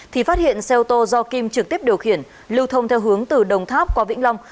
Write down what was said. thì phát hiện xe ô tô do kim trực tiếp điều khiển lưu thông theo hướng từ đồng tháp qua vĩnh long